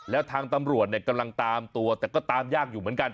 แล้วทางตำรวจเนี่ยกำลังตามตัวแต่ก็ตามยากอยู่เหมือนกัน